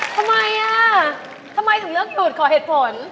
ทำไมอ่ะทำไมถึงเลือกดูดขอเหตุผล